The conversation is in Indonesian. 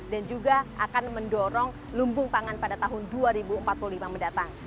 dan juga akan mendorong lumbung pangan pada tahun dua ribu empat puluh lima mendatang